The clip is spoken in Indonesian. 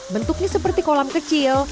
bentuknya seperti kolam kecil